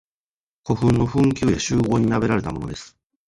古墳の墳丘や周濠に並べられたものです。